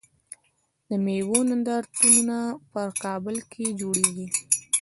د میوو نندارتونونه په کابل کې جوړیږي.